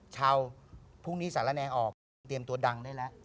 พรุ่งนี้สารแงออกเตรียมตัวดังได้แล้ว